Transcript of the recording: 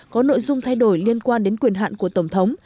có nội dung thay đổi liên quan đến quyền hạn của tổng thống